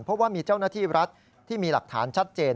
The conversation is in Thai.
เพราะว่ามีเจ้าหน้าที่รัฐที่มีหลักฐานชัดเจน